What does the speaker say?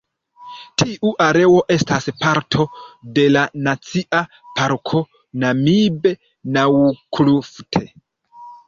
Tiu areo estas parto de la Nacia Parko Namib-Naukluft.